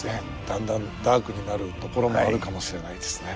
だんだんダークになるところもあるかもしれないですね。